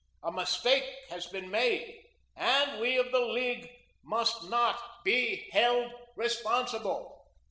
A mistake has been made and we of the League must not be held responsible."